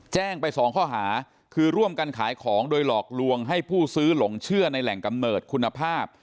แจ้งไปสองข้อหาคือร่วมกันขายของโดยหลอกลวงให้ผู้ซื้อหลงเชื่อในแหล่งกำเนิดคุณภาพ